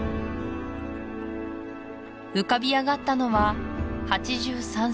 浮かび上がったのは８３ｃｍ